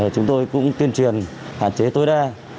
chúng tôi cũng tuyên truyền hạn chế tối đa